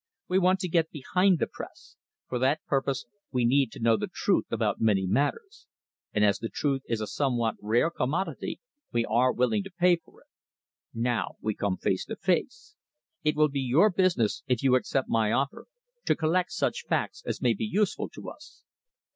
We want to get behind the Press. For that purpose we need to know the truth about many matters; and as the truth is a somewhat rare commodity, we are willing to pay for it. Now we come face to face. It will be your business, if you accept my offer, to collect such facts as may be useful to us."